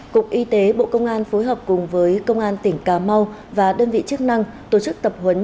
cục y tế bộ công an phối hợp cùng với công an tỉnh cà mau và đơn vị chức năng tổ chức tập huấn